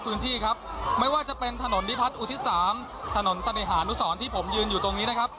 พื้นที่ครับไม่ว่าจะเป็นถนนนิพัฒนอุทิศสามถนนเสน่หานุสรที่ผมยืนอยู่ตรงนี้นะครับ